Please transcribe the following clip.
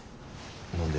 何で？